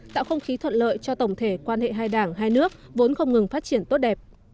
tạo không khí thuận lợi cho tổng thể quan hệ hai đảng hai nước vốn không ngừng phát triển tốt đẹp